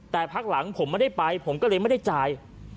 แต่พักหลังผมไม่ได้ไปผมก็เลยไม่ได้จ่าย